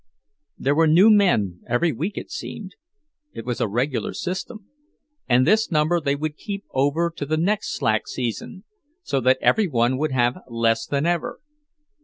There were new men every week, it seemed—it was a regular system; and this number they would keep over to the next slack season, so that every one would have less than ever.